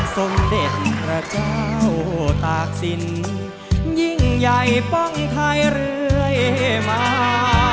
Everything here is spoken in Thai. สมเด็จพระเจ้าตากศิลป์ยิ่งใหญ่ป้องไทยเรื่อยมา